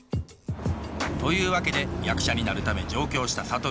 というわけで役者になるため上京した諭。